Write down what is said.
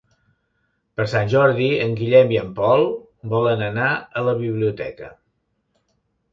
Per Sant Jordi en Guillem i en Pol volen anar a la biblioteca.